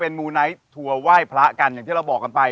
มูไนท์ทัวร์ไหว้พระกันอย่างที่เราบอกกันไป